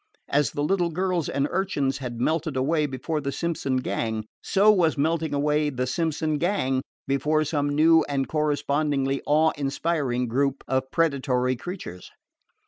As the little girls and urchins had melted away before the Simpson gang, so was melting away the Simpson gang before some new and correspondingly awe inspiring group of predatory creatures.